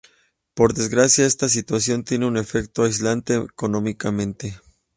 Por desgracia, esta situación tiene un efecto aislante económicamente.